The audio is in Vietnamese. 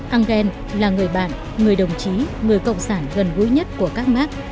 engel là người bạn người đồng chí người cộng sản gần gũi nhất của các mark